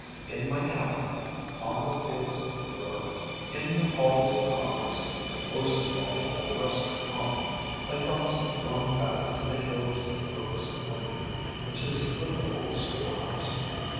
In my counting room, on the fields of war, in the halls of Congress, and most of all in my Western home, my thoughts have flown back to the hills and brooks of Winby and to this little old school house.